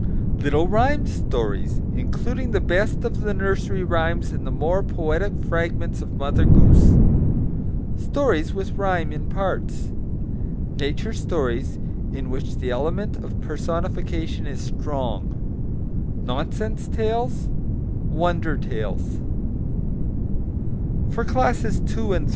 Little Rhymed Stories (including the best of the nursery rhymes and the more poetic fragments of Mother Goose) Stories with Rhyme in Parts Nature Stories (in which the element of personification is strong) Nonsense Tales Wonder Tales FOR CLASSES II. AND III.